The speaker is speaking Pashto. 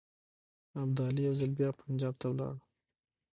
ابدالي یو ځل بیا پنجاب ته ولاړ.